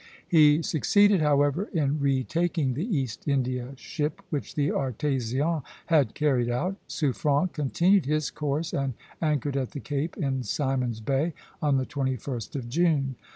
He succeeded, however, in retaking the East India ship which the "Artésien" had carried out. Suffren continued his course and anchored at the Cape, in Simon's Bay, on the 21st of June.